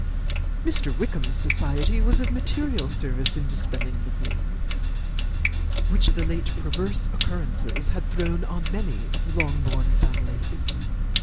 Mr. Wickham's society was of material service in dispelling the gloom which the late perverse occurrences had thrown on many of the Longbourn family.